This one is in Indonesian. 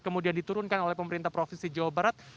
kemudian diturunkan oleh pemerintah provinsi jawa barat